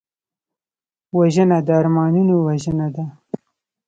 وژنه د ارمانونو وژنه ده